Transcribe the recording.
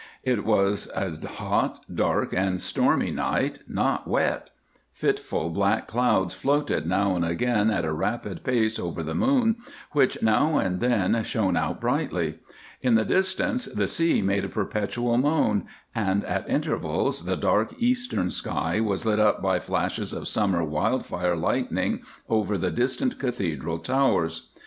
"It was a hot, dark, and stormy night, not wet; fitful black clouds floated now and again at a rapid pace over the moon, which now and then shone out brightly; in the distance the sea made a perpetual moan, and at intervals the dark eastern sky was lit up by flashes of summer wildfire lightning over the distant Cathedral towers.